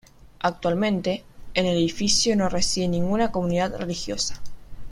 Actualmente, en el edificio no reside ninguna comunidad religiosa.